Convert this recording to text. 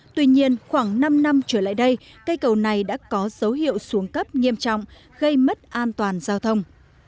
tuy nhiên khoảng năm năm trở lại đây cây cầu này đã có dấu hiệu xuống cấp nghiêm trọng gây mất an toàn giao thông